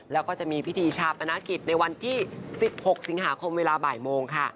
แล้วก็จะมีพิธีชาปนกิจในวันที่๑๖สิงหาคมเวลาบ่ายโมงค่ะ